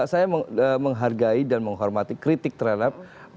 saya menghargai dan menghormati kritik terhadap